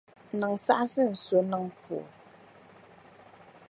Niŋ saɣisi n-so niŋ pooi.